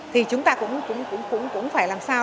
thì chúng ta cũng phải làm sao